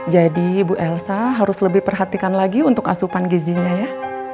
jadi bu elsa harus lebih perhatikan lagi untuk asupan gizinya ya